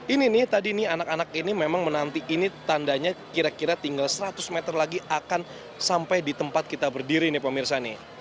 ini nih tadi nih anak anak ini memang menanti ini tandanya kira kira tinggal seratus meter lagi akan sampai di tempat kita berdiri nih pemirsa nih